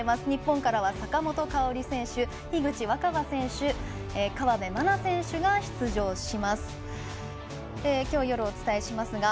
日本からは坂本花織選手、樋口新葉選手河辺愛菜選手が出場します。